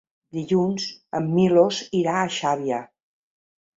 Dilluns en Milos irà a Xàbia.